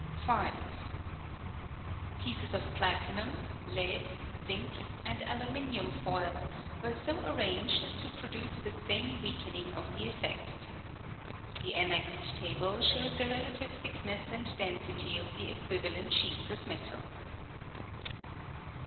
5. Pieces of platinum, lead, zinc, and aluminium foil were so arranged as to pro duce the same weakening of the effect. The annexed table shows the relative thick ness and density of the equivalent sheets of metal.